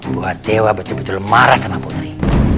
buat dewa betul betul marah sama putri